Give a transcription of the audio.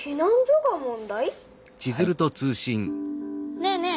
ねえねえ